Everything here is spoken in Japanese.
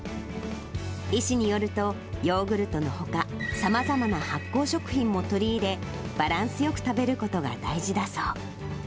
医師によると、ヨーグルトのほか、さまざまな発酵食品も取り入れ、バランスよく食べることが大事だそう。